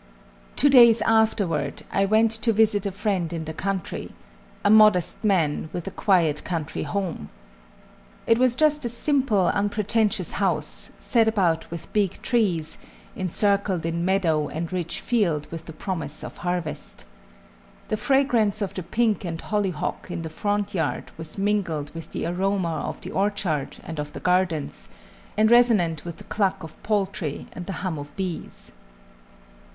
Two days afterward, I went to visit a friend in the country, a modest man, with a quiet country home. It was just a simple, unpretentious house, set about with big trees, encircled in meadow and field rich with the promise of harvest. The fragrance of the pink and hollyhock in the front yard was mingled with the aroma of the orchard and of the gardens, and resonant with the cluck of poultry and the hum of bees.